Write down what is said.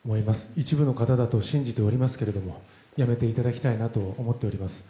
一部の方だと信じておりますけれどもやめていただきたいなと思っております。